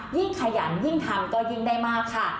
ขยันยิ่งทำก็ยิ่งได้มากค่ะ